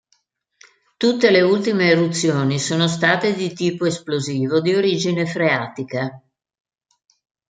Tutte le ultime eruzioni sono state di tipo esplosivo di origine freatica.